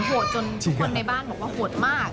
โหดจนทุกคนในบ้านบอกว่าโหดมาก